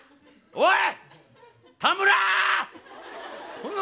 おい！